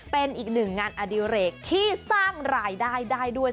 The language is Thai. เป็นอีกหนึ่งงานอดิเรกที่สร้างรายได้ได้ด้วย